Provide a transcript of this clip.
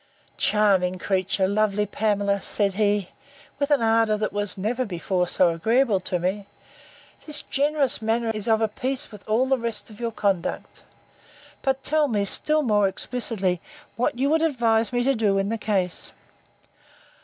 Charming creature! lovely Pamela! said he, (with an ardour that was never before so agreeable to me,) this generous manner is of a piece with all the rest of your conduct. But tell me, still more explicitly, what you would advise me to, in the case.